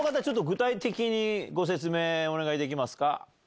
具体的にご説明お願いできますか？